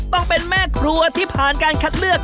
ต้องเป็นแม่ครัวที่ผ่านการคัดเลือก